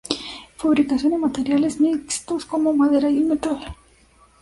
Fabricación en materiales mixtos como madera y el metal.